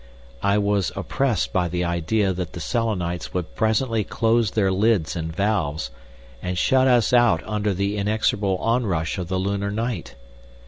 I was oppressed by the idea that the Selenites would presently close their lids and valves, and shut us out under the inexorable onrush of the lunar night.